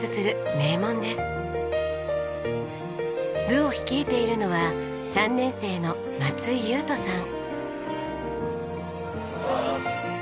部を率いているのは３年生の松井勇人さん。